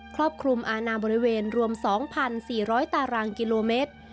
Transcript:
ครอบคลุมอาณาบริเวณรวม๒๔๐๐ตารางกิโลเมตร